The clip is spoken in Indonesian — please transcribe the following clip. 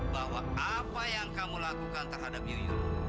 bahwa apa yang kamu lakukan terhadap yuyun